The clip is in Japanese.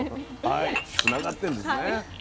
はいつながってんですね。